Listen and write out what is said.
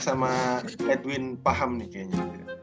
sama edwin paham nih kayaknya